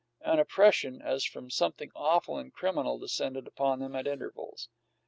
An oppression, as from something awful and criminal, descended upon them at intervals.